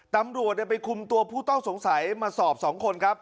ตำรวจไปคุมตัวผู้ต้องสงสัยมาสอบ๒คนครับ